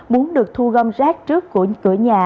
muốn được thu gom rác trước của cửa nhà